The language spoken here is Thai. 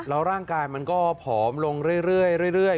แล้วร่างกายมันก็ผอมลงเรื่อย